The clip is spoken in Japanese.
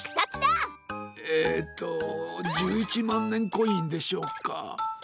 えっと１１まんねんコインでしょうか。